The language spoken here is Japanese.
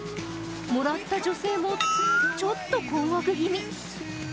もらった女性も、ちょっと困惑気味。